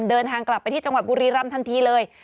เดินทางกลับไปที่จังหวัดบุรีรำทันทีเลย